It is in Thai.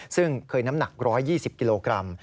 ซึ่งเคยน้ำหนัก๑๒๐กิโลกรัม